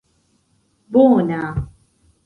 bona